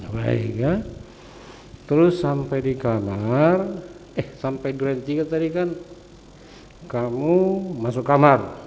baik ya terus sampai di kamar eh sampai durian tiga tadi kan kamu masuk kamar